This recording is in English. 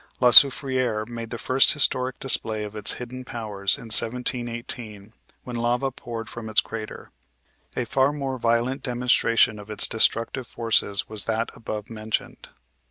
La Soufriere made the first historic display of its hidden powers in 1718, when lava poured from its crater. A far more violent demonstration of its destructive forces was that above mentioned.